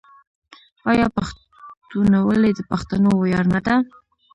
آیا پښتونولي د پښتنو ویاړ نه ده؟